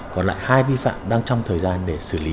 còn lại hai vi phạm đang trong thời gian để xử lý